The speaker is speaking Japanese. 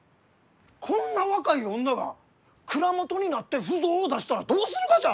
こんな若い女が蔵元になって腐造を出したらどうするがじゃ！？